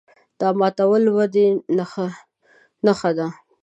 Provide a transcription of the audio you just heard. دا ماتول د ودې نښه ده.